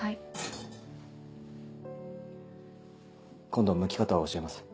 今度むき方を教えます。